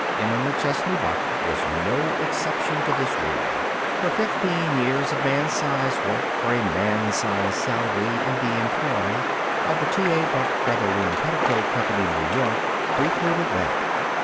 Emma McChesney Buck was no exception to this rule. Her fifteen years of man size work for a man size salary in the employ of the T. A. Buck Featherloom Petticoat Company, New York, precluded that.